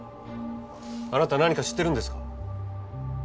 あなた何か知ってるんですか？